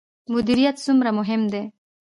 مدیریت څومره مهم دی؟